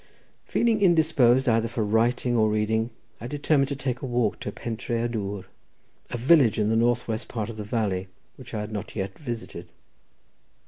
Feeling indisposed either for writing or reading, I determined to take a walk to Pentré y Dwr, a village in the north west part of the valley, which I had not yet visited.